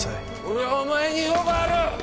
俺はお前に用がある！